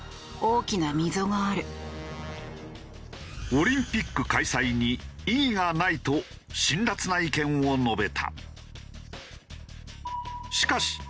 オリンピック開催に意義がないと辛辣な意見を述べた。